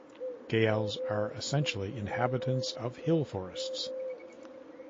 Gayals are essentially inhabitants of hill-forests.